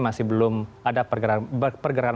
masih belum ada pergerakan